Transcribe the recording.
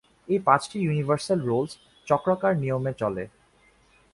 এই পাঁচটি universal rules চক্রাকার নিয়মে চলে।